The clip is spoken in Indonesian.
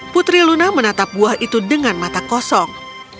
putri luna menatap buah itu dengan mata kosong